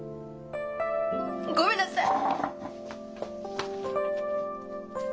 ごめんなさい！